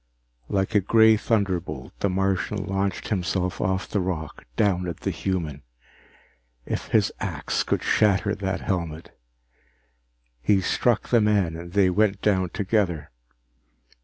Like a gray thunderbolt, the Martian launched himself off the rock, down at the human. If his axe could shatter that helmet He struck the man and they went down together.